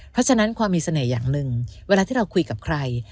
เพราะฉะนั้นความมีเสน่ห์อย่างหนึ่งเวลาที่เราคุยกับใคร